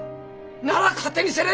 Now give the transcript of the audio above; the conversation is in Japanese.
なら勝手にせんね！